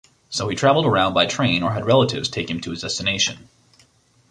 So he travelled around by train or had relatives take him to his destination.